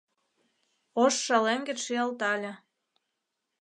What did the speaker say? Ош шалеҥгет шиялтале —